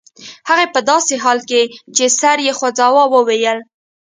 هغې په داسې حال کې چې سر یې خوځاوه وویل